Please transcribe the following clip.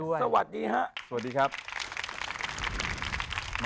พระพุทธพิบูรณ์ท่านาภิรม